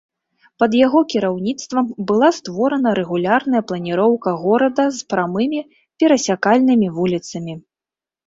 Пад яго кіраўніцтвам была створана рэгулярная планіроўка горада з прамымі перасякальнымі вуліцамі.